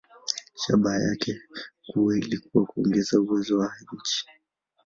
Shabaha yake kuu ilikuwa kuongeza uwezo wa nchi.